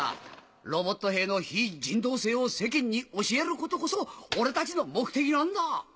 ロボット兵の非人道性を世間に教えることこそ俺たちの目的なんだ！